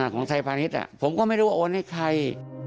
ของไทยพาณิชย์ผมก็ไม่รู้ว่าโอนให้ใคร